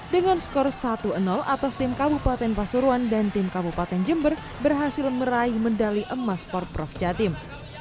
dengan skor satu atas tim kabupaten pasuruan dan tim kabupaten jember berhasil meraih medali emas porprof jatim